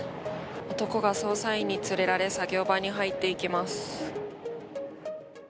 男が捜査員に連れられ、作業場に入っていきます。